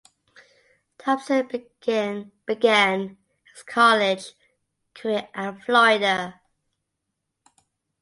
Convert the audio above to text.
Thompson began his college career at Florida.